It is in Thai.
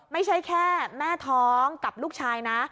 ไม่ใช่แค่แม่ท้องกับลูกชายนะ